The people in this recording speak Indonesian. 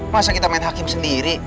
masa kita main hakim sendiri